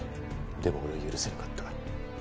でも俺は許せなかった。